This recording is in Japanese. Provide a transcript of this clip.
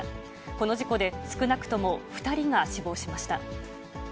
この事故で、少なくとも２人が死亡しました。